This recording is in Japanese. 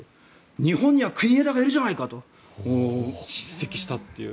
日本には国枝がいるじゃないかと叱責したという。